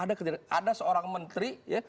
ada seorang menteri ya